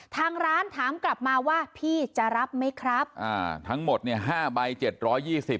ทางร้านถามกลับมาว่าพี่จะรับไหมครับอ่าทั้งหมดเนี่ยห้าใบเจ็ดร้อยยี่สิบ